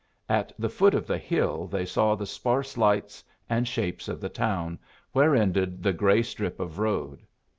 At the foot of the hill they saw the sparse lights and shapes of the town where ended the gray strip of road.